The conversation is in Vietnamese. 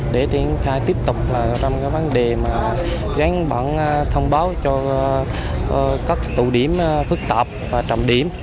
để triển khai tiếp tục trong các vấn đề gắn bản thông báo cho các tụ điểm phức tạp và trầm điểm